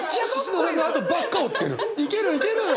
いけるいける！